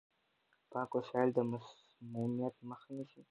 پاک وسايل د مسموميت مخه نيسي.